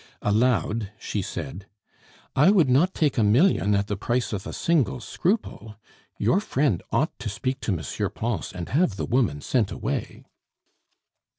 Aloud she said, "I would not take a million at the price of a single scruple. Your friend ought to speak to M. Pons and have the woman sent away."